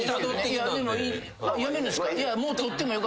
やめるんすか？